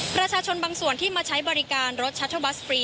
ประชาชนบางส่วนที่มาใช้บริการรถชัตเทอร์บัสฟรี